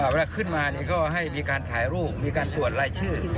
เวลาขึ้นมาก็ให้มีการถ่ายรูปมีการตรวจรายชื่อ